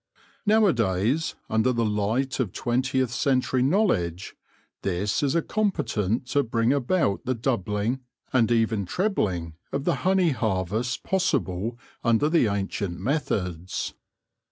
Nowadays, under the light of twentieth century knowledge, this is competent to bring about the doubling, and even trebling, of the honey harvest possible under the ancient methods.